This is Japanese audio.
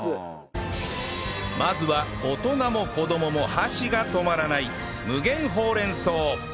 まずは大人も子どもも箸が止まらない無限ほうれん草